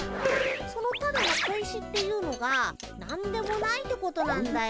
そのただの小石っていうのが何でもないってことなんだよ。